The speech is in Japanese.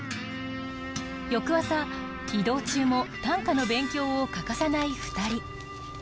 翌朝移動中も短歌の勉強を欠かさない２人。